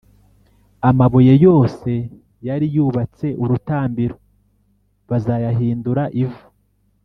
Amabuye yose yari yubatse urutambiro bazayahindura ivu,